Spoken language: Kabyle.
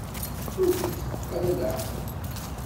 Ur k-iteffeɣ ara leεqel.